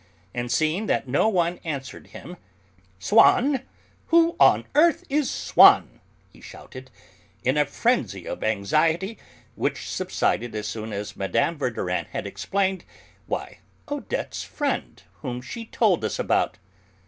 And seeing that no one answered him, "Swann! Who on earth is Swann?" he shouted, in a frenzy of anxiety which subsided as soon as Mme. Verdurin had explained, "Why, Odette's friend, whom she told us about."